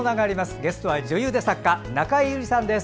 ゲストは女優で作家中江有里さんです。